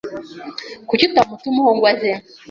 Kuki utamutumaho ngo ze.